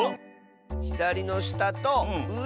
ひだりのしたとうえ。